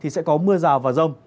sẽ có mưa rào và rông